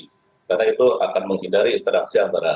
karena itu akan menghindari interaksi antara